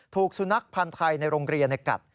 ถูกสุนัขพันธ์ไทยในโรงเรียนกัด